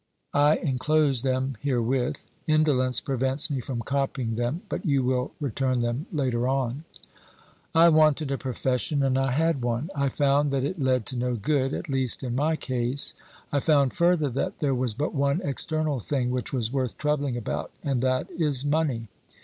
I en close them herewith ; indolence prevents me from copying them, but you will return them later on. " I wanted a profession and I had one. I found that it led to no good, at least in my case. I found further that there was but one external thing which was worth troubling about, and that is money.